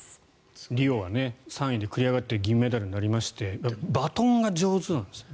リオは３位で繰り上がって銀メダルになりましてバトンが上手なんですよね。